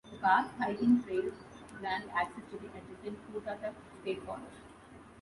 The park's hiking trails grant access to the adjacent Pootatuck State Forest.